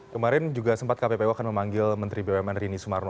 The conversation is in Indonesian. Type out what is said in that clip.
kemarin juga sempat kppu akan memanggil menteri bumn rini sumarno